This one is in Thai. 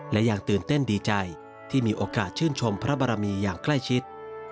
และยังตื่นเต้นดีใจที่มีโอกาสชื่นชมพระบารมีอย่างใกล้ชิด